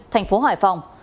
thành phố hải phòng